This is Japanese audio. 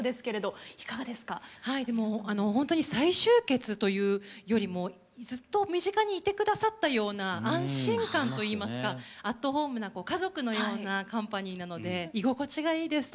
はいでもほんとに再集結というよりもずっと身近にいて下さったような安心感といいますかアットホームな家族のようなカンパニーなので居心地がいいです